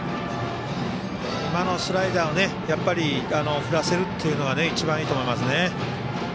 今のスライダーを振らせるというのが一番いいと思いますね。